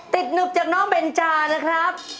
หนึบจากน้องเบนจานะครับ